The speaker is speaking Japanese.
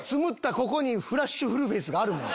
ここにフラッシュフルフェイスがあるもん。